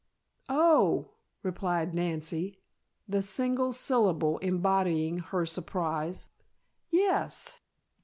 "Oh," replied Nancy, the single syllable embodying her surprise. "Yes."